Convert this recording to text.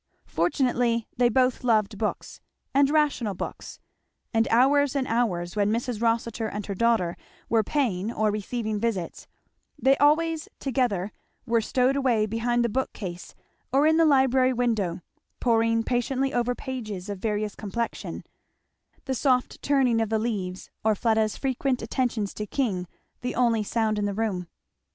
Fortunately they both loved books, and rational books; and hours and hours, when Mrs. Rossitur and her daughter were paying or receiving visits, they, always together, were stowed away behind the book cases or in the library window poring patiently over pages of various complexion; the soft turning of the leaves or Fleda's frequent attentions to King the only sound in the room.